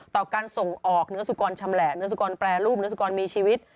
ต่อการส่งออกเนื้อสุกรชำแหละเนื้อสุกรแปรรูปเนื้อสุกรมีชีวิต